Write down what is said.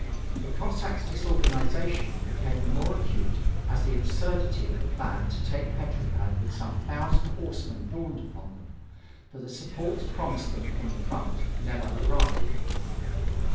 The Cossacks' disorganization became the more acute as the absurdity of the plan to take Petrograd with some thousand horsemen dawned upon them for the supports promised them from the front never arrived.